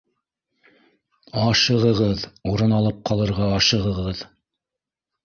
Ашығығыҙ, урын алып ҡалырға ашығығыҙ